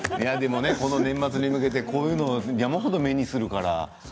年末に向けてこういうもの山ほど目にするから。